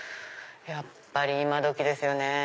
やっぱり今どきですよね。